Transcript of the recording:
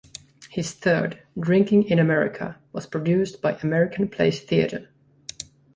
His third, "Drinking in America", was produced by American Place Theater.